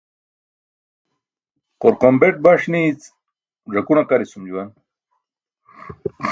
Qorqombeṭ baṣ niic ẓakun aqarisum juwan.